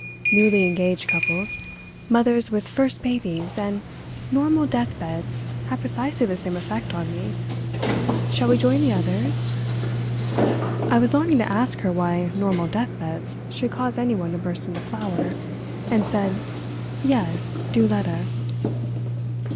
Newly engaged couples, mothers with first babies, and normal deathbeds have precisely the same effect on me. Shall we join the others?" I was longing to ask her why normal deathbeds should cause anyone to burst into flower, and said, "Yes, do let us."